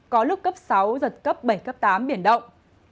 có lúc cấp sáu giật cấp bảy cấp tám biển động